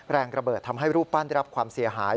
แรงระเบิดทำให้รูปปั้นได้รับความเสียหาย